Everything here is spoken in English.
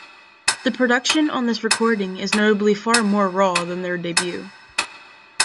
The production on this recording is notably far more raw than their debut.